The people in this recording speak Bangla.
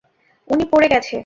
উনি পড়ে গেছে।